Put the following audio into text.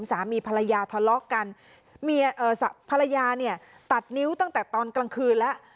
สามีภรรยาทะเลาะกันเมียเอ่อภรรยาเนี่ยตัดนิ้วตั้งแต่ตอนกลางคืนแล้ว